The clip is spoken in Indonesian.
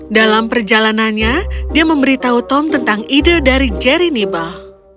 dalam perjalanannya dia memberitahu tom tentang ide dari jerry nebel